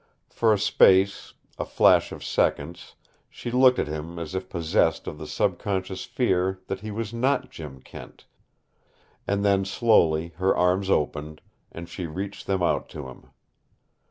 For a space a flash of seconds she looked at him as if possessed of the subconscious fear that he was not Jim Kent, and then slowly her arms opened, and she reached them out to him.